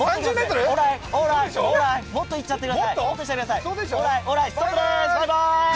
もっといっちゃってください！